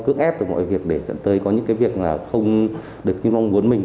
cứ ép từ mọi việc để dẫn tới có những cái việc là không được như mong muốn mình